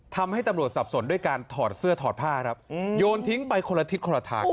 ทำให้ตำรวจสับสนด้วยการถอดเสื้อถอดผ้าครับโยนทิ้งไปคนละทิศคนละทาง